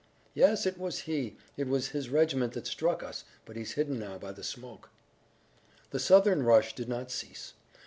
"Yes, it was he. It was his regiment that struck us, but he's hidden now by the smoke." The Southern rush did not cease.